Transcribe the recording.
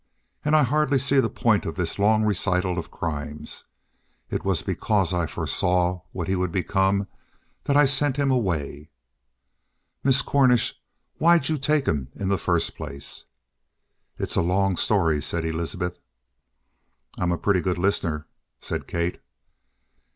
And I hardly see the point of this long recital of crimes. It was because I foresaw what he would become that I sent him away." "Miss Cornish, why'd you take him in in the first place?" "It's a long story," said Elizabeth. "I'm a pretty good listener," said Kate.